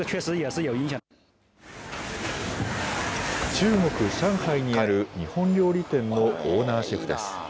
中国・上海にある日本料理店のオーナーシェフです。